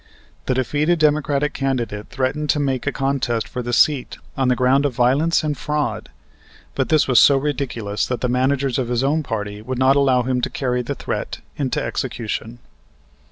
The defeated Democratic candidate threatened to make a contest for the seat on the ground of violence and fraud; but this was so ridiculous that the managers of his own party would not allow him to carry the threat into execution.